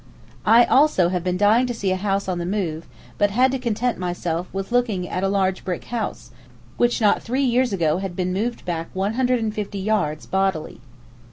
I also have been dying to see a house on the move, but had to content myself with looking at a large brick house, which not three years ago had been moved back 150 yards bodily.